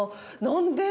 何で？